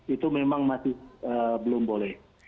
itu memang masih belum boleh